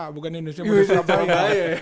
bukan indonesia muda surabaya